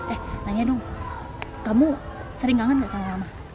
eh nanya dong kamu sering kangen gak sama mama